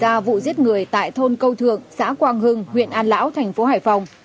ra vụ giết người tại thôn câu thượng xã quang hưng huyện an lão thành phố hải phòng